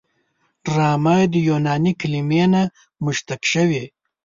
ډرامه د یوناني کلمې نه مشتق شوې.